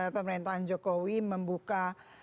pemerintahan jokowi membuka